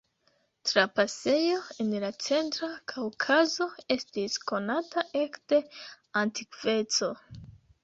Trapasejo en la centra Kaŭkazo estis konata ekde antikveco.